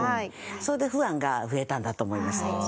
それでファンが増えたんだと思います。